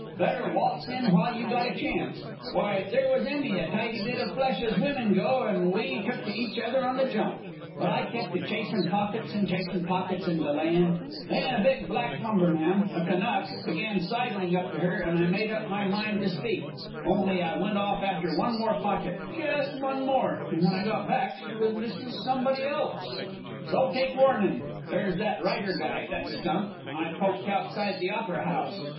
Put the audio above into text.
Better waltz in while you got a chance. Why, there was Emmy, a tidy bit of flesh as women go, and we took to each other on the jump. But I kept a chasin' pockets and chasin' pockets, and delayin'. And then a big black lumberman, a Kanuck, began sidlin' up to her, and I made up my mind to speak only I went off after one more pocket, just one more, and when I got back she was Mrs. Somebody Else. "So take warnin'. There's that writer guy, that skunk I poked outside the Opera House.